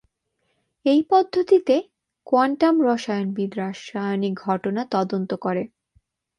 এই পদ্ধতিতে, কোয়ান্টাম রসায়নবিদ রাসায়নিক ঘটনা তদন্ত করে।